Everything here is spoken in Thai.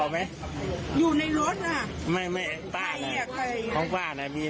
ลูกพ่อไข่วัดเจดี